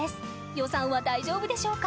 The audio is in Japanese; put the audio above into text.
予算は大丈夫でしょうか？